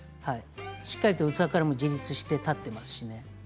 しっかりと器からも自立して立っています。